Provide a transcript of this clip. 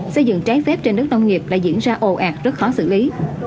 xây dựng trái phép trên đất nông nghiệp đã diễn ra ồ ạt rất khó xử lý